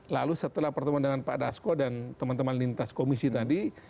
lalu setelah pertemuan dengan pak dasko dan teman teman lintas komisi tadi